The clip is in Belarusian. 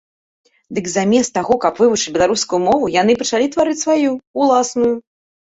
Дык замест таго, каб вывучыць беларускую мову, яны пачалі тварыць сваю, уласную.